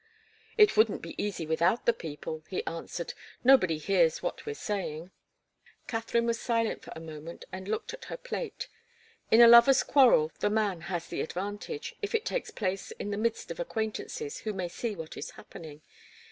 "It wouldn't be easy without the people," he answered. "Nobody hears what we're saying." Katharine was silent for a moment, and looked at her plate. In a lover's quarrel, the man has the advantage, if it takes place in the midst of acquaintances who may see what is happening.